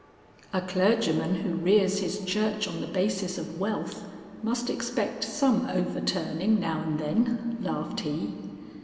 "A clergyman who rears his church on the basis of wealth must expect some overturning now and then," laughed he.